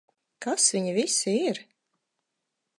Kas viņi visi ir?